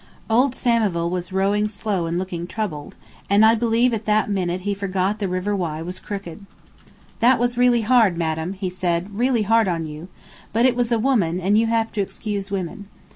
Old Samivel was rowing slow and looking troubled, and I believe at that minute he forgot the River Wye was crooked. "That was really hard, madam," he said, "really hard on you; but it was a woman, and you have to excuse women.